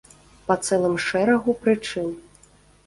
Па цэлым шэрагу прычын.